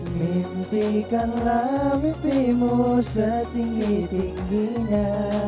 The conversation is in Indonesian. mimpikanlah mimpimu setinggi tingginya